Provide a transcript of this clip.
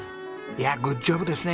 いやグッジョブですね